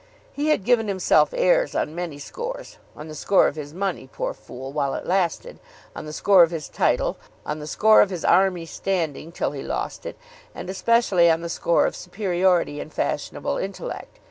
He had given himself airs on many scores; on the score of his money, poor fool, while it lasted; on the score of his title; on the score of his army standing till he lost it; and especially on the score of superiority in fashionable intellect.